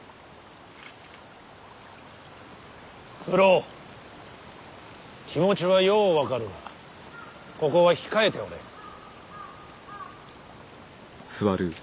九郎気持ちはよう分かるがここは控えておれ。